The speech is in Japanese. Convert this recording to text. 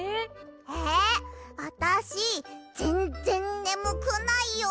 えあたしぜんぜんねむくないよ！